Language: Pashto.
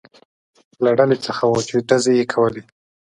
له ډلې څخه و، چې ډزې یې کولې.